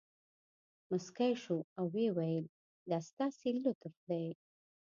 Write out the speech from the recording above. مسکی شو او ویې ویل دا ستاسې لطف دی.